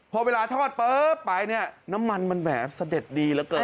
พอเวลาทอดปุ๊บไปเนี่ยน้ำมันมันแหมเสด็จดีเหลือเกิน